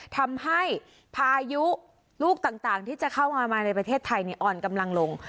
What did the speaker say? พายุลูกต่างที่จะเข้ามามาในประเทศไทยอ่อนกำลังลง